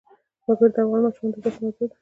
وګړي د افغان ماشومانو د زده کړې موضوع ده.